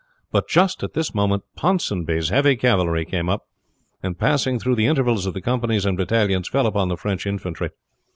But just at this moment Ponsonby's heavy cavalry came up, and passing through the intervals of the companies and battalions, fell upon the French infantry.